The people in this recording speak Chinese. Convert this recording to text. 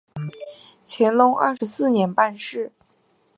乾隆二十四年办事。